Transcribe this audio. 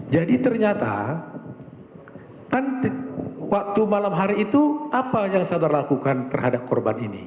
jadi ternyata waktu malam hari itu apa yang saudara lakukan terhadap korban ini